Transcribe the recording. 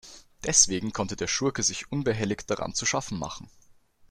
Deswegen konnte der Schurke sich unbehelligt daran zu schaffen machen.